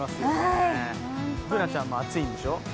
Ｂｏｏｎａちゃんも暑いんでしょ？